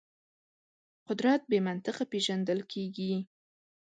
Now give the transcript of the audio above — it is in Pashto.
قدرت بې منطقه پېژندل کېږي.